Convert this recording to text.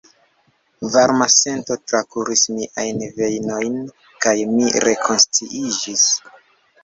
Varma sento trakuris miajn vejnojn kaj mi rekonsciiĝis.